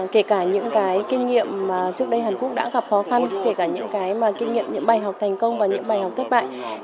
kể cả những kinh nghiệm trước đây hàn quốc đã gặp khó khăn kể cả những bài học thành công và những bài học thất bại